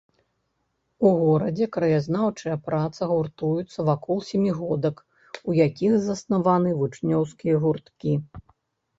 У горадзе краязнаўчая праца гуртуецца вакол сямігодак, у якіх заснаваны вучнёўскія гурткі.